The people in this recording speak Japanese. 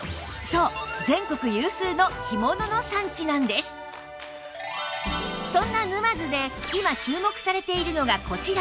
そうそんな沼津で今注目されているのがこちら！